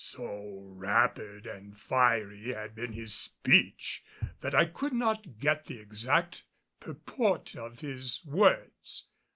So rapid and fiery had been his speech that I could not get the exact purport of his words.